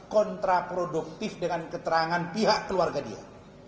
kontraproduktif dengan keterangan pihak keluarga dia